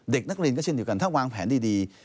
เด็กนักเรียนก็เช่นเดียวกันถ้าวางแผนดี